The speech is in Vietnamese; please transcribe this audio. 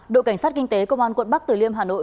đội cảnh sát kinh tế công an quận bắc tử liêm hà nội